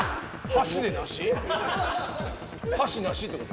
箸ナシってこと？